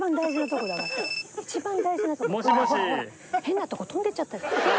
ほらほら変なとこ飛んでっちゃった。